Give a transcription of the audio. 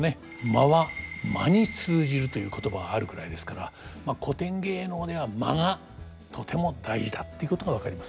「間は魔に通じる」という言葉があるくらいですから古典芸能では間がとても大事だっていうことが分かりますね。